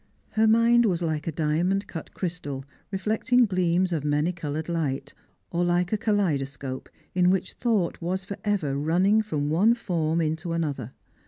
Her mind was like a diamond cut crystal reflecting gleams of many coloured light, or like a kaleidoscope in whicli thought was for ever running from one form into another.